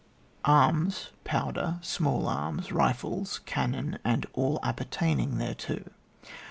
ArfM, Powder, small arms, rifles, cannon, and all appertaining thereto.